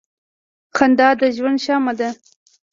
• خندا د ژوند شمع ده.